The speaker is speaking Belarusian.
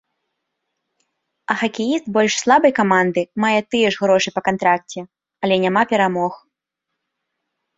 А хакеіст больш слабай каманды мае тыя ж грошы па кантракце, але няма перамог.